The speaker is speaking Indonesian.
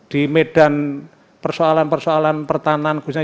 di medan persoalan persoalan pertahanan khususnya